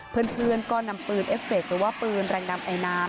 เพื่อนก็นำปืนเอฟเฟคหรือว่าปืนแรงดำไอน้ำ